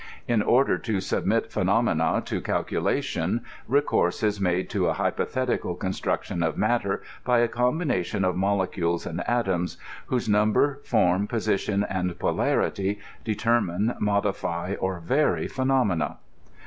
In order to submit phe ^ nomena to calculation, recourse is had to. a hypothetical con struction of matter by a combination of molecules and atoms, whose nimiber, form, position, and polarity determine, modify, or vary phenomena.